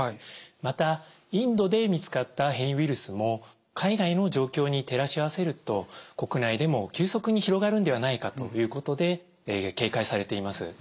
またインドで見つかった変異ウイルスも海外の状況に照らし合わせると国内でも急速に広がるんではないかということで警戒されています。